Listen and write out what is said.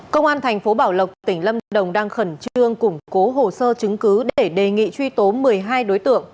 công an thành phố bảo lộc tỉnh lâm đồng đang khẩn trương củng cố hồ sơ chứng cứ để đề nghị truy tố một mươi hai đối tượng